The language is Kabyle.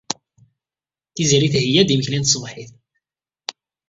Tiziri theyya-d imekli n tṣebḥit.